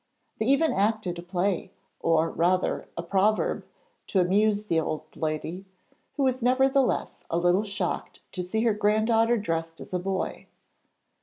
They even acted a play or, rather, a proverb to amuse the old lady, who was nevertheless a little shocked to see her granddaughter dressed as a boy.